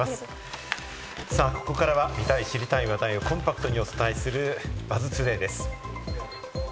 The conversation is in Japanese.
さぁ、ここからは見たい知りたい話題をコンパクトにお伝えするＢＵＺＺ